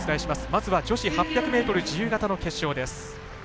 まずは女子８００ｍ自由形の決勝です。